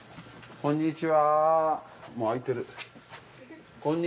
こんにちは。